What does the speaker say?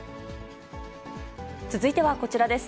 続いてはこちらです。